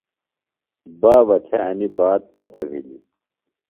بابہ تھےۡ انیۡ بات پتہ بِھلیۡ۔